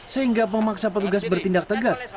sehingga memaksa petugas bertindak tegas